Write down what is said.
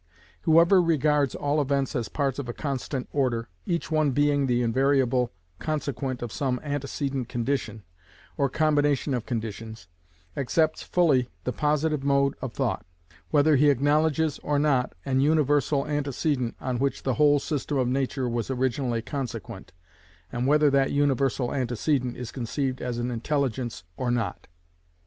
Whoever regards all events as parts of a constant order, each one being the invariable consequent of some antecedent condition, or combination of conditions, accepts fully the Positive mode of thought: whether he acknowledges or not an universal antecedent on which the whole system of nature was originally consequent, and whether that universal antecedent is conceived as an Intelligence or not.